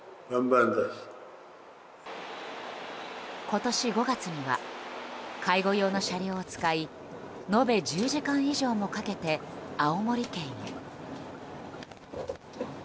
今年５月には介護用の車両を使い延べ１０時間以上もかけて青森県へ。